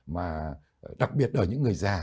mà đặc biệt ở những người già